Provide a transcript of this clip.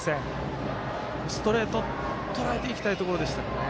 ストレートとらえていきたいところでしたね。